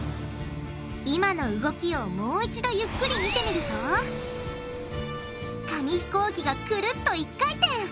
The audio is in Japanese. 今の動きをもう一度ゆっくり見てみると紙ひこうきがくるっと１回転！